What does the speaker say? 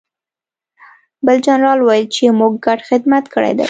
بل جنرال وویل چې موږ ګډ خدمت کړی دی